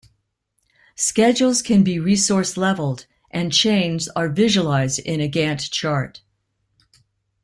Schedules can be resource leveled, and chains are visualized in a Gantt chart.